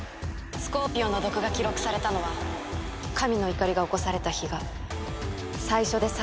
スコーピオンの毒が記録されたのは神の怒りが起こされた日が最初で最後。